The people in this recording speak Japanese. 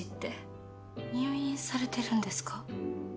入院されてるんですか？